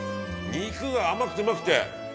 肉が甘くてうまくて。